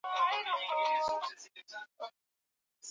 Iran ingetarajiwa kuanza tena Jumatano